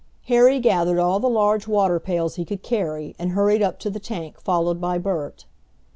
Harry gathered all the large water pails he could carry, and hurried up to the tank followed by Bert.